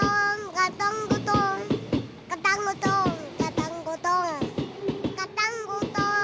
ガタンゴトーンガタンゴトーンガタンゴトーンガタンゴトーン。